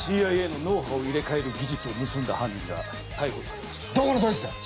ＣＩＡの脳波を入れ替える技術を盗んだ犯人が逮捕されました。